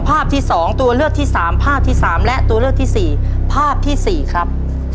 ภาพที่๒ตัวเลือกที่สามภาพที่๓และตัวเลือกที่๔ภาพที่๔ครับ